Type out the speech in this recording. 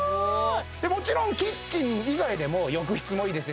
もちろんキッチン以外でも浴室もいいですね